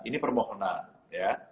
ini permohonan ya